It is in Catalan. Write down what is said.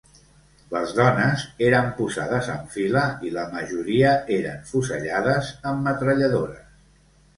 Les dones eren posades en fila i la majoria eren fusellades amb metralladores.